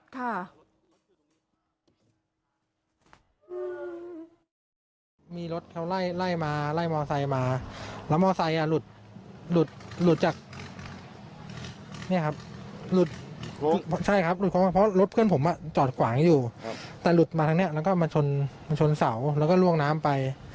ก็มีคนที่เขาตามมาแหล่ะเขาก็มาดูเขาก็คิดว่าเข้าป่าไป